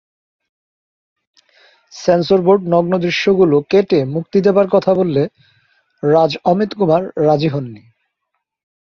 Sensor board নগ্ন দৃশ্যগুলো কেটে মুক্তি দেবার কথা বললে রাজ অমিত কুমার রাজি হননি।